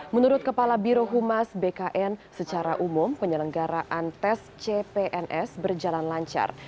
menurut kepala birohumas bkn secara umum penyelenggaraan tes cpns berjalan lancar